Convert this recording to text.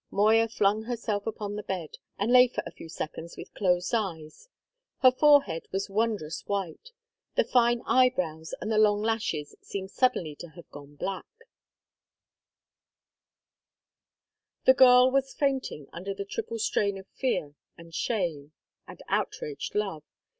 Moya flung herself upon the bed, and lay for a few seconds with closed eyes. Her forehead was wondrous white; the fine eyebrows and the long lashes seemed suddenly to have gone black; the girl was fainting under the triple strain of fear and shame and outraged love.